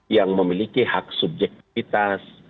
yang memiliki hak subjektifitas